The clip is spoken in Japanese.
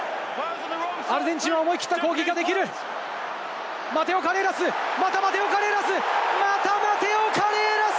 アルゼンチンは思い切った攻撃ができるマテオ・カレーラス。